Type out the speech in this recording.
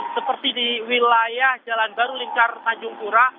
seperti di wilayah jalan baru lingkar tanjung pura